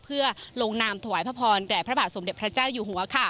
เพื่อลงนามถวายพระพรแด่พระบาทสมเด็จพระเจ้าอยู่หัว